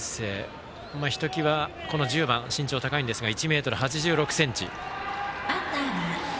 ひときわ１０番身長高いんですが１ｍ８６ｃｍ。